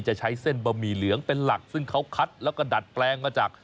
จะใช้เส้นบะหมี่เหลืองเป็นหลักซึ่งเขาคัดแล้วก็ดัดแปลงมาจาก